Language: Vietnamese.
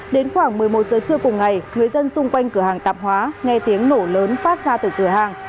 đến khoảng một mươi một giờ trưa cùng ngày người dân xung quanh cửa hàng tạp hóa nghe tiếng nổ lớn phát ra từ cửa hàng